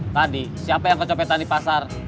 tadi siapa yang kecopetan di pasar